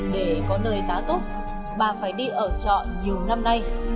để có nơi tá túc bà phải đi ở trọ nhiều năm nay